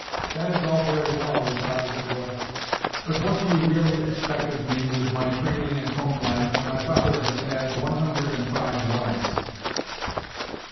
"That is all very well," responded the boy, "but what do you really expect of me with my training and home life when my father has had one hundred and five wives?"